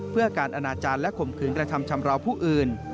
เพื่อการอนาจารย์และข่มขืนกระทำชำราวผู้อื่น